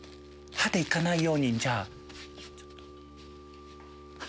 歯で行かないようにじゃあ。